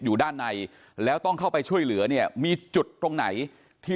อยู่ด้านในแล้วต้องเข้าไปช่วยเหลือเนี่ยมีจุดตรงไหนที่